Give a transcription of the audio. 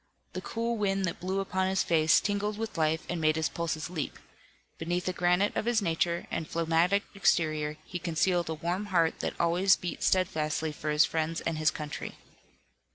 The cool wind that blew upon his face tingled with life and made his pulses leap. Beneath the granite of his nature and a phlegmatic exterior, he concealed a warm heart that always beat steadfastly for his friends and his country.